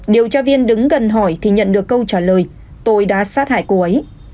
điều tra viên đứng gần hỏi thì nhận được câu trả lời tôi đã sát hại cô ấy